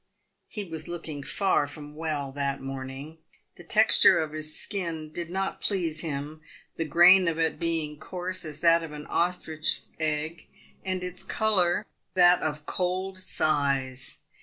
He was looking far from well that morning. The texture of his skin did not please him, the grain of it being coarse as that of an ostrich's egg, and its colour that of cold size.